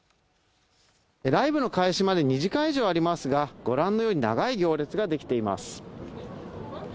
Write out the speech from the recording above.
ライブの開始まで２時間以上ありますが、御覧のように長い行列ができています。